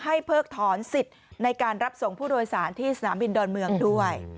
เพิกถอนสิทธิ์ในการรับส่งผู้โดยสารที่สนามบินดอนเมืองด้วย